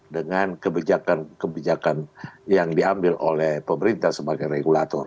dengan kebijakan kebijakan yang diambil oleh pemerintah sebagai regulator